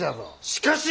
しかし！